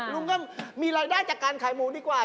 ลุงก็มีรายได้จากการขายหมูดีกว่า